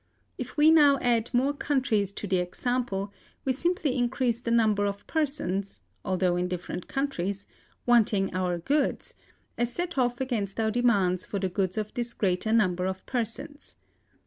If we now add more countries to the example, we simply increase the number of persons (although in different countries) wanting our goods, as set off against our demands for the goods of this greater number of persons.